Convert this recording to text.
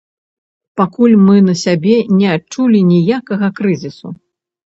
Пакуль мы на сябе не адчулі ніякага крызісу.